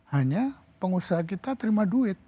hanya pengusaha kita terima duit